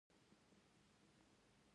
چې يو تن څۀ لوستي نۀ وي